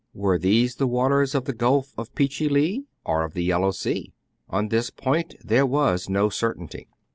Were these the waters of the Gulf of Pe che lee, or of the Yellow Sea } On this point there was no certainty.